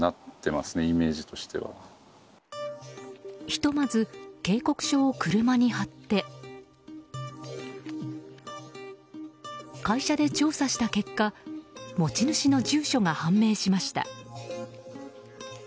ひとまず、警告書を車に貼って会社で調査した結果持ち主の住所が判明しました。